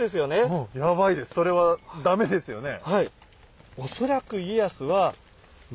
ヤバいですそれは駄目ですよね。